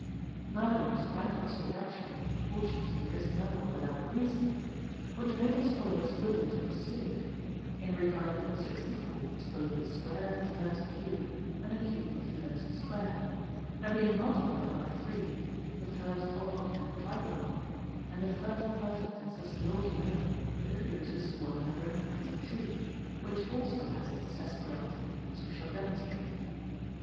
Neither was Crantor's reduction of the proportions to this number with out reason, which made his followers willing to pursue it ; in regard that 64 is both the square of the first cube, and the cube of the first square ; and being multiplied by 3, the first odd and trigonal, and the first perfect and sesqui alter number, it produces 192, which also has its sesquioc tave, as we shall demonstrate.